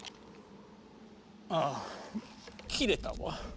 ああ切れたわ。